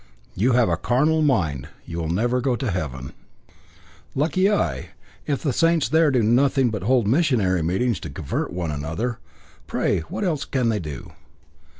"You have a carnal mind. You will never go to heaven." "Lucky I if the saints there do nothing but hold missionary meetings to convert one another. Pray what else can they do?"